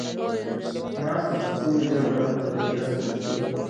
ما پښتو ژبه او ادبيات لوستي.